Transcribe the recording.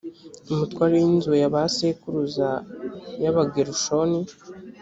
umutware w’ inzu ya ba sekuru y’ abagerushoni